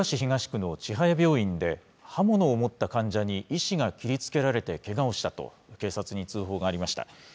きょう午前、福岡市東区の千早病院で、刃物を持った患者に医師が切りつけられてけがをしたと、警察に通報がありました。